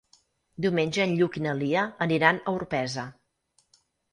Diumenge en Lluc i na Lia aniran a Orpesa.